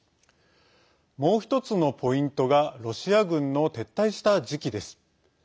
もう１つのポイントがロシア軍の撤退した時期です。